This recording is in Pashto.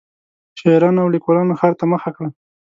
شاعرانو او لیکوالانو ښار ته مخه کړه.